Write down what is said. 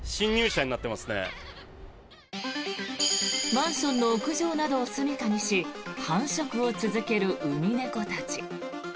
マンションの屋上などをすみかにし繁殖を続けるウミネコたち。